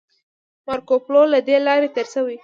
مارکوپولو له دې لارې تیر شوی و